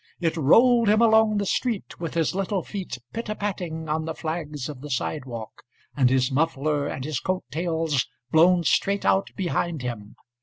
It rolled him along the street, With his little feet pit a patting on the flags of the sidewalk, And his muffler and his coat tails blown straight out behind him.